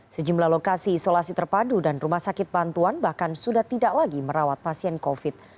sejumlah lokasi isolasi terpadu dan rumah sakit bantuan bahkan sudah tidak lagi merawat pasien covid